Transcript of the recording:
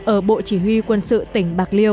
ở bộ chỉ huy quân sự tỉnh bạc liêu